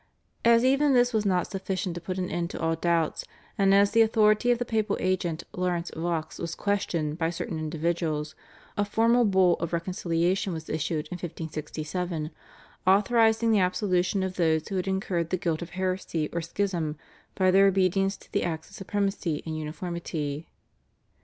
As even this was not sufficient to put an end to all doubts, and as the authority of the papal agent Laurence Vaux was questioned by certain individuals, a formal Bull of reconciliation was issued in 1567, authorising the absolution of those who had incurred the guilt of heresy or schism by their obedience to the Acts of Supremacy and Uniformity.